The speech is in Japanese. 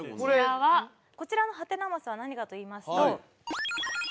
こちらのハテナマスは何かといいますと。